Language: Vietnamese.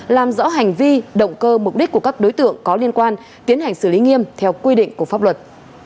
làm rõ hành vi động cơ mục đích của các đối tượng có liên quan tiến hành xử lý nghiêm theo quy định của pháp luật